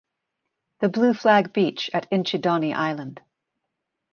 The Blue Flag beach at Inchydoney Island.